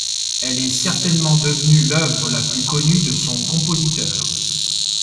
Elle est certainement devenue l'œuvre la plus connue de son compositeur.